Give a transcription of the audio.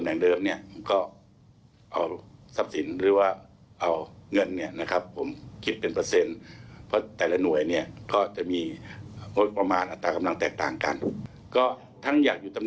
ออกพีคบเขาก็เข้ามาเก้าหาร้องถุครับ